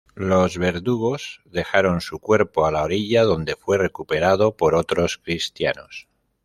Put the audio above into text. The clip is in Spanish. Los verdugos dejaron su cuerpo a la orilla donde fue recuperado por otros cristianos.